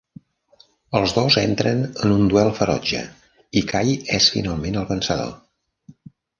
Els dos entren en un duel ferotge, i Kay és finalment el vencedor.